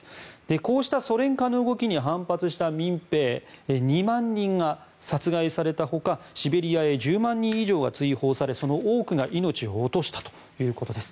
こうしたソ連化の動きに反発した民兵２万人が殺害されたほかシベリアへ１０万人以上が追放され、その多くが命を落としたということです。